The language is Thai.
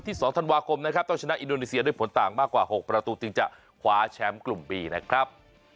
๒ธันวาคมนะครับต้องชนะอินโดนีเซียด้วยผลต่างมากกว่า๖ประตูจึงจะคว้าแชมป์กลุ่มบีนะครับ